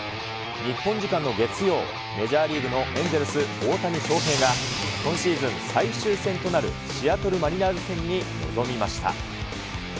日本時間の月曜、メジャーリーグのエンゼルス、大谷翔平が今シーズン最終戦となるシアトルマリナーズ戦に臨みました。